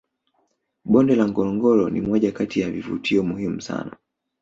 bonde la ngorongoro ni moja Kati ya kivutio muhimu sana